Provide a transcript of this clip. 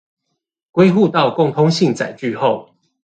歸戶到共通性載具後